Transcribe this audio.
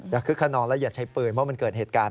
คึกขนองและอย่าใช้ปืนเพราะมันเกิดเหตุการณ์